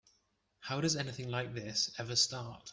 How does anything like this ever start?